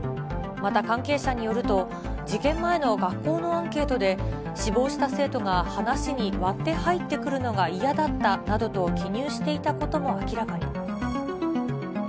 また関係者によると、事件前の学校のアンケートで、死亡した生徒が話に割って入ってくるのが嫌だったなどと記入していたことも明らかに。